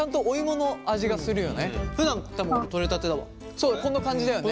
そうこの感じだよね。